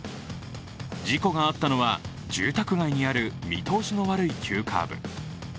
事故があったのは住宅街にある見通しの悪い急カーブ。